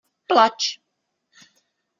Plač.